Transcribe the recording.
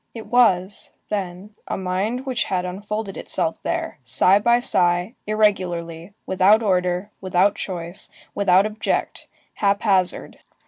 It was, then, a mind which had unfolded itself there, sigh by sigh, irregularly, without order, without choice, without object, hap hazard.